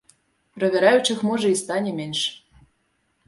Правяраючых, можа, і стане менш.